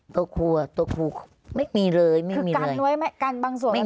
ตัวครูอ่ะตัวครูไม่มีเลยไม่มีเลยคือกันไว้ไม่กันบางส่วนแล้วไหม